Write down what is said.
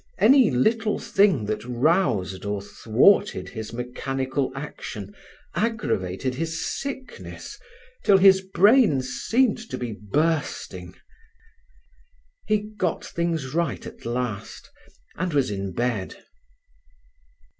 Any little thing that roused or thwarted his mechanical action aggravated his sickness till his brain seemed to be bursting. He got things right at last, and was in bed.